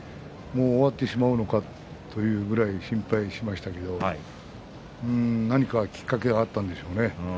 もう終わってしまうのかというぐらい心配しましたけれども何かきっかけがあったんでしょうね。